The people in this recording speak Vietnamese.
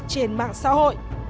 trên mạng xã hội